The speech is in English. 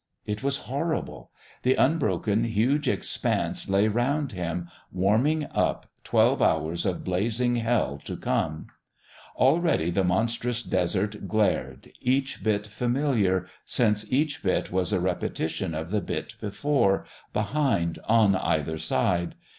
It was horrible. The unbroken, huge expanse lay round him, warming up, twelve hours of blazing hell to come. Already the monstrous Desert glared, each bit familiar, since each bit was a repetition of the bit before, behind, on either side.